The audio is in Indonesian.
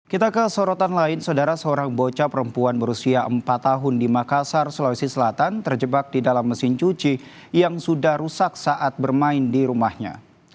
kita ke sorotan lain saudara seorang bocah perempuan berusia empat tahun di makassar sulawesi selatan terjebak di dalam mesin cuci yang sudah rusak saat bermain di rumahnya